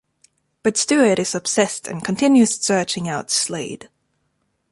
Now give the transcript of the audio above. But Stuart is obsessed and continues searching out Slade.